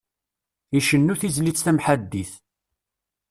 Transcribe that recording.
Icennu tizlit tamḥaddit.